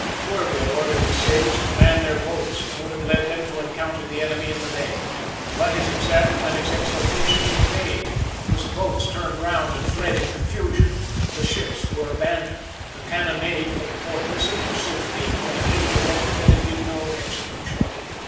Tourville ordered his sailors to man their boats, and would have led them to encounter the enemy in the bay. But his example and his exhortations were vain. His boats turned round and fled in confusion. The ships were abandoned. The cannonade from Fort Lisset was so feeble and ill directed that it did no execution.